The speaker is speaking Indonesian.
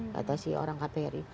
kata si orang kbri